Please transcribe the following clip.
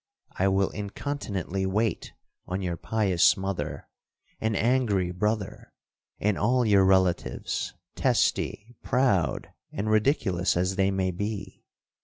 I will incontinently wait on your pious mother, and angry brother, and all your relatives, testy, proud, and ridiculous as they may be.